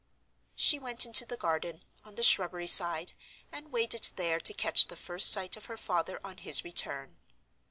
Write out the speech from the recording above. She went into the garden, on the shrubbery side; and waited there to catch the first sight of her father on his return.